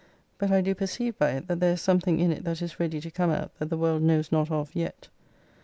But I do perceive by it that there is something in it that is ready to come out that the world knows not of yet.